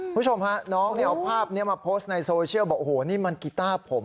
คุณผู้ชมฮะน้องเนี่ยเอาภาพนี้มาโพสต์ในโซเชียลบอกโอ้โหนี่มันกีต้าผม